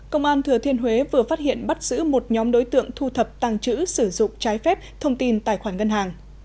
công an thừa thiên huế vừa phát hiện bắt giữ một nhóm đối tượng thu thập tăng trữ sử dụng trái phép thông tin tài khoản ngân hàng